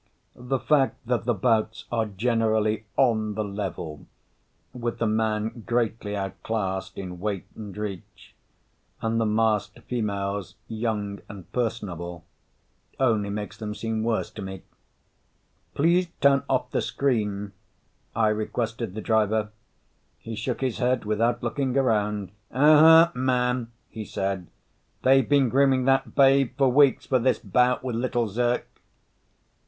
The fact that the bouts are generally "on the level," with the man greatly outclassed in weight and reach and the masked females young and personable, only makes them seem worse to me. "Please turn off the screen," I requested the driver. He shook his head without looking around. "Uh uh, man," he said. "They've been grooming that babe for weeks for this bout with Little Zirk."